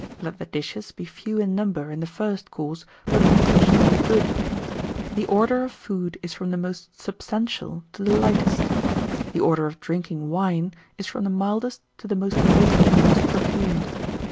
Let the dishes be few in number in the first course, but proportionally good. The order of food is from the most substantial to the lightest. The order of drinking wine is from the mildest to the most foamy and most perfumed.